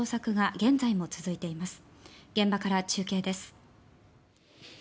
現場から中継です。